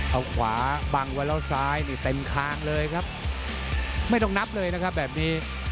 เอาขวาบังไว้แล้วซ้ายนี่เต็มคางเลยครับไม่ต้องนับเลยนะครับแบบนี้